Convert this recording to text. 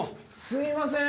すいません